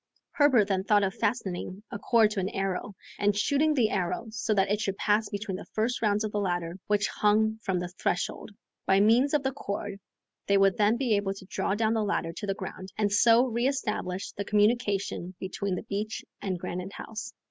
Herbert then thought of fastening a cord to an arrow, and shooting the arrow so that it should pass between the first rounds of the ladder which hung from the threshold. By means of the cord they would then be able to draw down the ladder to the ground, and so re establish the communication between the beach and Granite House.